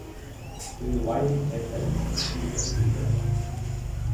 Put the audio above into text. It was widely tipped that he would succeed her as leader.